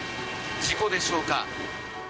事故でしょうか。